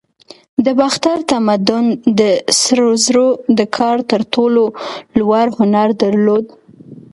د باختر تمدن د سرو زرو د کار تر ټولو لوړ هنر درلود